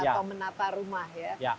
atau menata rumah